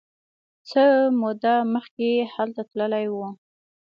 څه موده مخکې هلته تللی و.